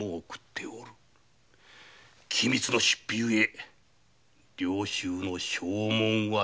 機密の出費ゆえ領収の証文はない。